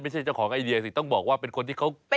ไม่ใช่เจ้าของไอเดียสิต้องบอกว่าเป็นคนที่เขาจัดงาน